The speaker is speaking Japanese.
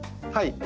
はい。